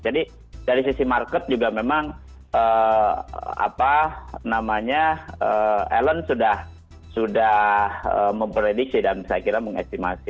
jadi dari sisi market juga memang elon sudah memprediksi dan saya kira mengestimasi